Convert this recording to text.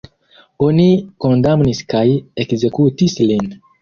Oni kondamnis kaj ekzekutis lin.